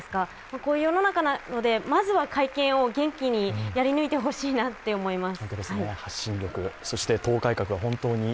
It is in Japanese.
こういう世の中なので、まずは会見を元気にやり抜いて欲しいなと思います。